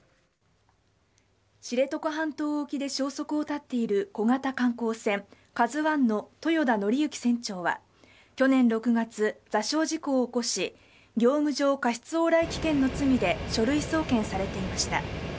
知床半島沖で消息を絶っている小型観光船カズワンの豊田徳幸船長は、去年６月、座礁事故を起こし、業務上過失往来危険の罪で書類送検されていました。